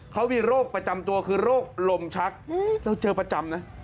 เขามีโรคประจำตัวคือโรคลมชักเราเจอประจำนะ